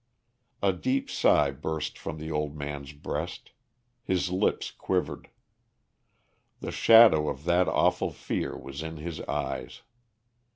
A deep sigh burst from the old man's breast; his lips quivered. The shadow of that awful fear was in his eyes.